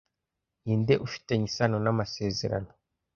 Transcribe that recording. Ninde ufitanye isano n'amasezerano